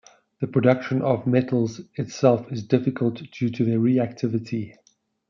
The production of the metals itself is difficult due to their reactivity.